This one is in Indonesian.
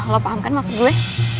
kalau paham kan maksud gue